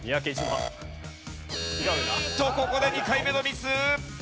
うーんとここで２回目のミス。